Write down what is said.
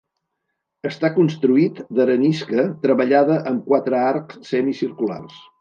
Està construït d'arenisca treballada amb quatre arcs semicirculars.